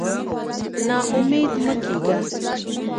نا امېد مه کېږه.